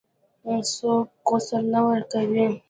څوک غسل نه ورکوي.